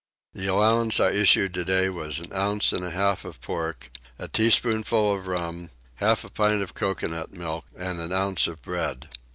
The allowance I issued today was an ounce and a half of pork, a teaspoonful of rum, half a pint of coconut milk, and an ounce of bread.